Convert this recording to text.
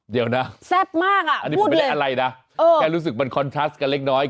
เดี๋ยวนะแซ่บมากอ่ะพูดเลยเหอะมันคอลทรัสกันเล็กน้อย